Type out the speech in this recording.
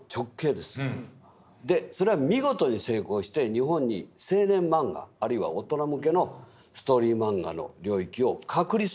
でそれは見事に成功して日本に青年漫画あるいは大人向けのストーリー漫画の領域を確立するんです。